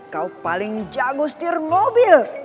kau paling jagu setir mobil